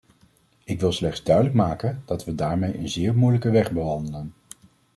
Ik wil slechts duidelijk maken dat we daarmee een zeer moeilijke weg bewandelen.